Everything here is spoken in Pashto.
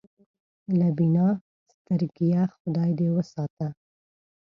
له بینا سترګېه خدای دې وساتي.